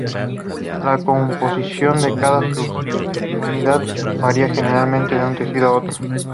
La composición de cada subunidad varía grandemente de un tejido a otro.